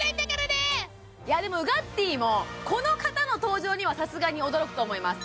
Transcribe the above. はいいやでもウガッティーもこの方の登場にはさすがに驚くと思います